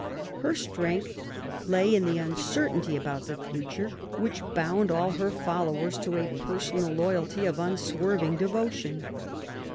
Her strength lay in the uncertainty about the future, which bound all her followers to a personal loyalty of unswerving devotion.